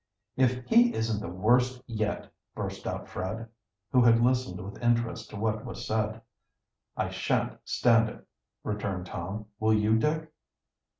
"If he isn't the worst yet!" burst out Fred, who had listened with interest to what was said. "I shan't stand it," returned Tom. "Will you, Dick?"